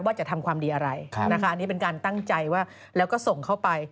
ว่าจะทำความดีอะไรนะคะอันนี้เป็นการตั้งใจว่าแล้วก็ส่งเข้าไป